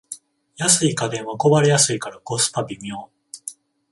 安い家電は壊れやすいからコスパ微妙